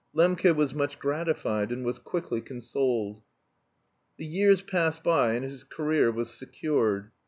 Lembke was much gratified and was quickly consoled. The years passed by and his career was secured.